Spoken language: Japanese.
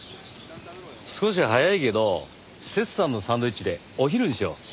少し早いけどセツさんのサンドイッチでお昼にしよう。